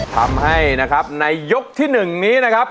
ทำให้นะครับในยกที่๑นี้นะครับ